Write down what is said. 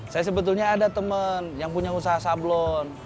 saya sebetulnya ada teman yang punya usaha sablon